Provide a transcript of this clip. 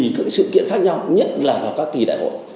có những sự kiện khác nhau nhất là vào các kỳ đại hội